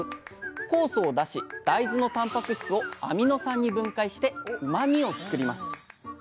酵素を出し大豆のたんぱく質をアミノ酸に分解してうまみを作ります。